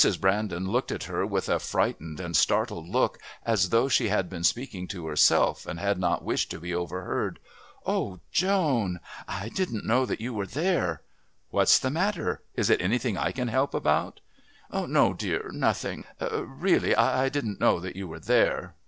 Brandon looked at her with a frightened and startled look as though she had been speaking to herself and had not wished to be overheard. "Oh, Joan!...I didn't know that you were there!" "What's the matter? Is it anything I can help about?" "'No, dear, nothing...really I didn't know that you were there."